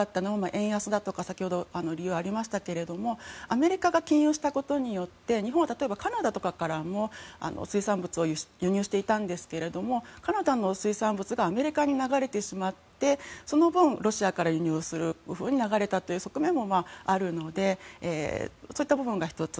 円安だという理由もありましたがアメリカが禁輸したことによって日本はカナダとかからも水産物を輸入していたんですがカナダの水産物がアメリカに流れてしまってその分、ロシアから輸入をするように流れたという側面もあるのでそういった部分が１つ。